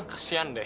hah kesian deh